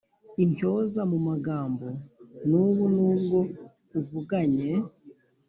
intyoza mu magambo n ubu nubwo uvuganye